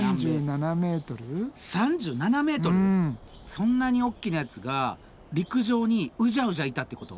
そんなに大きなやつが陸上にうじゃうじゃいたってこと？